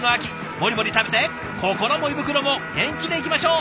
モリモリ食べて心も胃袋も元気でいきましょう。